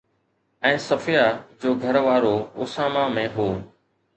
۽ صفيه جو گهروارو اسامه ۾ هو